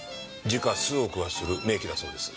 時価数億はする名器だそうです。